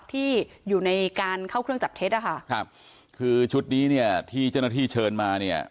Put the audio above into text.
ที่อยู่ในการเข้าเครื่องจับเท็จอะค่ะครับคือชุดนี้เนี่ยที่เจ้าหน้าที่เชิญมาเนี่ย